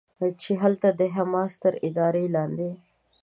چې هلته د حماس تر ادارې لاندې